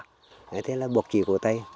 thế là buộc chỉ cầu tay